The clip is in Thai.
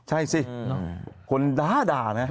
ใช่สิคนด่าเนี่ย